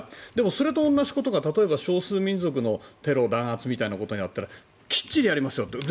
それと同じことが例えば少数民族のテロ弾圧みたいなことにあったらきっちりやりますよ